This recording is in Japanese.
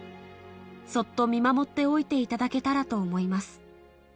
そっと見守っておいていただけたらと思います。